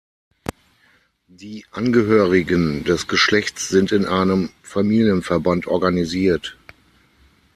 Die Angehörigen des Geschlechts sind in einem Familienverband organisiert.